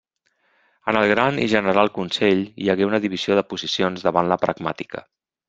En el Gran i General Consell hi hagué una divisió de posicions davant la pragmàtica.